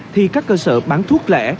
thì các cơ sở bán thuốc lẻ